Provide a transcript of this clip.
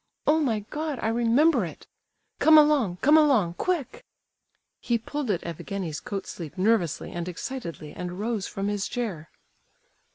Oh, my God! I remember it! Come along, come along—quick!" He pulled at Evgenie's coat sleeve nervously and excitedly, and rose from his chair.